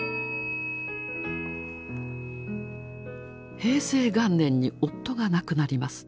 平成元年に夫が亡くなります。